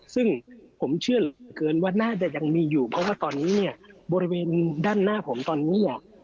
ซึ่งผมเชื่อเหลือเกินว่าน่าจะยังมีอยู่เพราะว่าตอนนี้เนี่ยบริเวณด้านหน้าผมตอนนี้เนี่ย